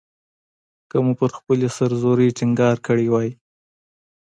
که مو پر خپلې سر زورۍ ټینګار کړی وای.